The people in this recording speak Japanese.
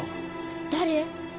誰？